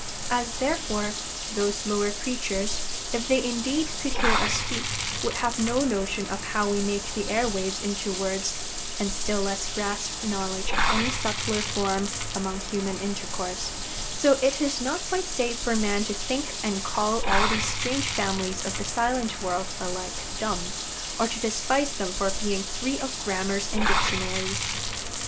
As, therefore, those lower creatures, if they indeed could hear us speak, would have no notion of how we make the air waves into words, and still less grasp knowledge of any subtler form among human intercourse, so it is not quite safe for man to think and call all these strange families of the silent world alike dumb, or to despise them for being free of grammars and dictionaries.